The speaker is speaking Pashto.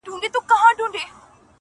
ژوند مي د هوا په لاس کي وليدی.